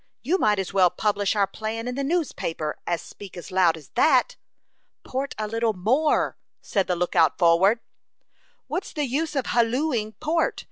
"You might as well publish our plan in the newspaper as speak as loud as that." "Port a little more," said the lookout forward. "What's the use of hallooing port?"